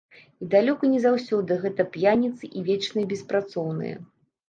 І далёка не заўсёды гэта п'яніцы і вечныя беспрацоўныя.